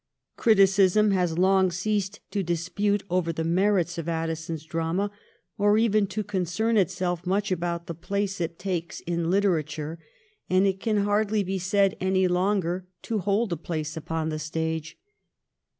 Criticism has long ceased to dispute over the merits of Addison's drama, or even to concern itself much about the place it takes in 1713 CONTEMPOKAEY OPINION. 281 literature, and it can hardly be said any longer to hold a place upon the stage.